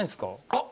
あっ！